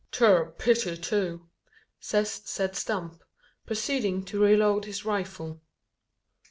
"'Tur a pity too," says Zeb Stump, proceeding to reload his rifle.